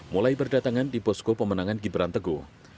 mulai berdatangan di posko pemenangan gibran teguh